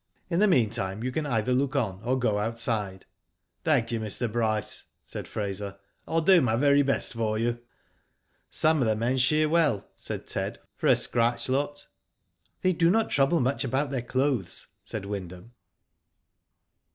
*' In the meantime, you can either look on, or go outside/' " Thank you, Mr. Bryce," said Fraser. I will do my very best for you." Some of the men^ shear well,'' said Ted, for a scratch lot." They do not trouble much about their clothes," said Wyndham.